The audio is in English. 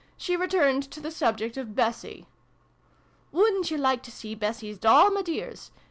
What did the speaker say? She returned to the subject of 'Bessie.' "Wouldn't you like to see Bessie's doll, my dears